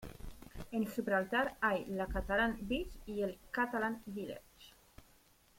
En Gibraltar hay la Catalan Beach y el Catalan village.